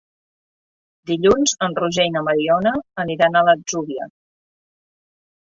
Dilluns en Roger i na Mariona aniran a l'Atzúbia.